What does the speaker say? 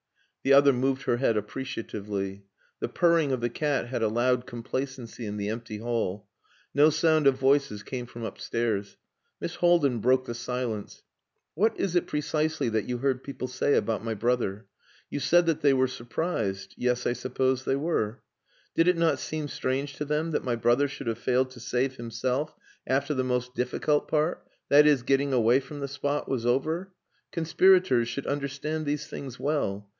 The other moved her head appreciatively. The purring of the cat had a loud complacency in the empty hall. No sound of voices came from upstairs. Miss Haldin broke the silence. "What is it precisely that you heard people say about my brother? You said that they were surprised. Yes, I supposed they were. Did it not seem strange to them that my brother should have failed to save himself after the most difficult part that is, getting away from the spot was over? Conspirators should understand these things well.